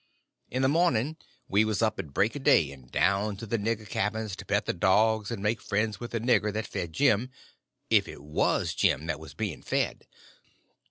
In the morning we was up at break of day, and down to the nigger cabins to pet the dogs and make friends with the nigger that fed Jim—if it was Jim that was being fed.